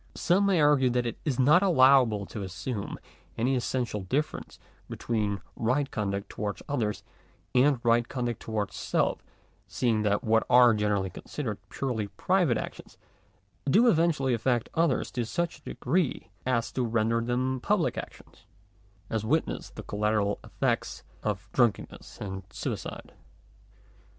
Some may argue that it is not allowable to assume any essential difference between right conduct towards others and right conduct towards self, seeing that what are generally considered purely private actions, do eventually affect others to such a degree, as to render them public actions ; as witness the collateral effects of drunk enness or suicide.